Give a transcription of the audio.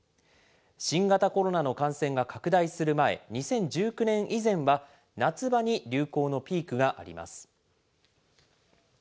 新型コロナの感染が拡大する前、２０１９年以前は、夏場に流行のピークがあります。